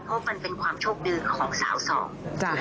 เพราะมันเป็นความโชคดีของสาวสอง